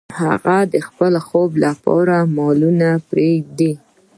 هغه د خپل خوب لپاره مالونه پریږدي.